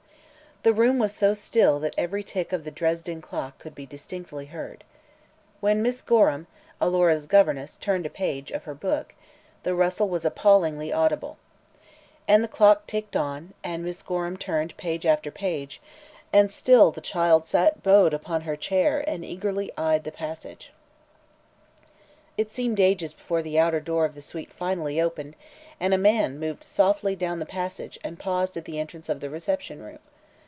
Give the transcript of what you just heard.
The room was so still that every tick of the Dresden clock could be distinctly heard. When Miss Gorham, Alora's governess, turned a page of her book, the rustle was appallingly audible. And the clock ticked on, and Miss Gorham turned page after page, and still the child sat bowed upon her chair and eagerly eyed the passageway. It seemed ages before the outer door of the suite finally opened and a man moved softly down the passage and paused at the entrance of the reception room.